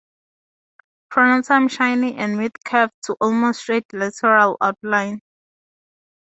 Pronotum shiny and with curved to almost straight lateral outline.